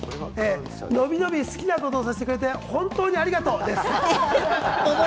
のびのび好きなことをさせてくれて本当にありがとうです。